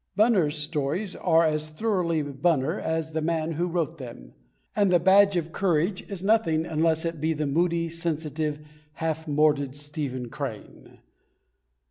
Bunner's stories are as thoroughly Bunner as the man who wrote them, and The Badge of Courage is nothing unless it be the moody, sensitive, half morbid Stephen Crane.